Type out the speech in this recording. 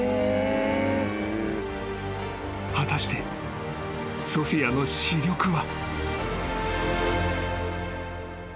［果たしてソフィアの視力は］